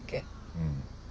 うん。